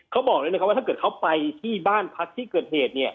เขาบอกเลยว่าถ้าเขาไปที่บ้านพักที่เกิดเหตุ